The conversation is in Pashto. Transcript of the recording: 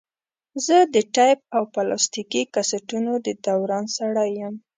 زه د ټیپ او پلاستیکي کسټونو د دوران سړی یم.